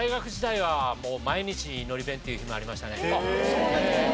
そうですか。